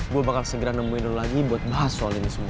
gue bakal segera nemuin lo lagi buat bahas soal ini semua